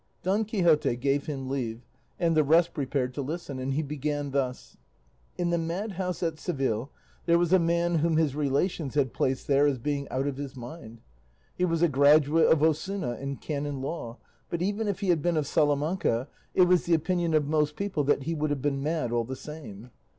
Don Quixote gave him leave, and the rest prepared to listen, and he began thus: "In the madhouse at Seville there was a man whom his relations had placed there as being out of his mind. He was a graduate of Osuna in canon law; but even if he had been of Salamanca, it was the opinion of most people that he would have been mad all the same.